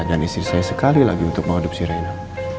dan istri saya sekali lagi untuk mengadopsi reina